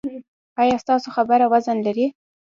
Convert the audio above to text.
ایا ستاسو خبره وزن لري؟